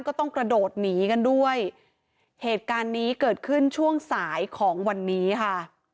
ก็ต้องกระโดดหนีกันด้วยเหตุการณ์นี้เกิดขึ้นช่วงสายของวันนี้ค่ะ